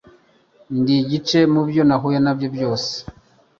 Ndi igice mubyo nahuye nabyo byose;